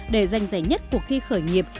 để giành giải nhất cuộc thi khởi nghiệp